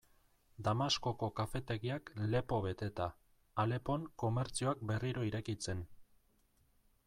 Damaskoko kafetegiak lepo beteta, Alepon komertzioak berriro irekitzen...